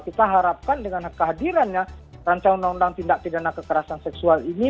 kita harapkan dengan kehadirannya rancangan undang undang tindak pidana kekerasan seksual ini